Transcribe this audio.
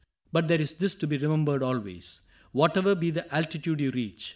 ^^ But there is this to be remembered always : Whatever be the altitude you reach.